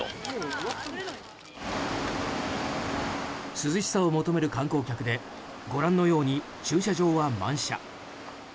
涼しさを求める観光客でご覧のように駐車場は満車。